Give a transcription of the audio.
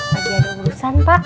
lagi ada urusan pak